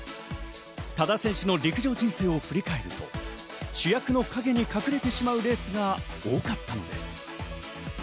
多田選手の陸上人生を振り返ると主役の陰に隠れてしまうレースが多かったのです。